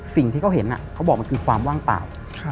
สิ่งที่เขาเห็นเขาบอกมันคือความว่างเปล่า